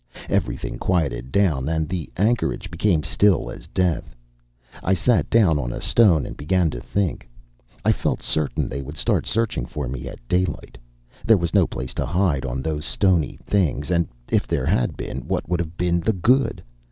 Everything quieted down and the anchorage became still as death. I sat down on a stone and began to think. I felt certain they would start searching for me at daylight. There was no place to hide on those stony things and if there had been, what would have been the good?